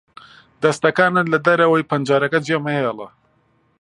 دەستەکانت لە دەرەوەی پەنجەرەکە جێمەهێڵە.